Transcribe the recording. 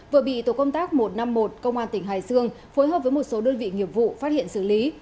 vừa bị tổ công tác một trăm năm mươi một công an tỉnh hải dương phối hợp với một số đơn vị nghiệp vụ phát hiện xử lý